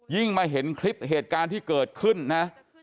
มาเห็นคลิปเหตุการณ์ที่เกิดขึ้นนะ